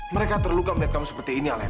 mereka terluka melihat kamu seperti ini allen